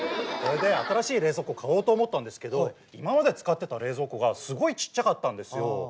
それで新しい冷蔵庫を買おうと思ったんですけど今まで使ってた冷蔵庫がすごいちっちゃかったんですよ。